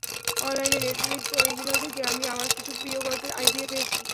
অনলাইনের Netflix original থেকে আমি আমার কিছু প্রিয় গল্পের আইডিয়া পেয়েছি।